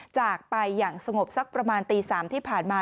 จากไปอย่างสงบสักประมาณตี๓ที่ผ่านมา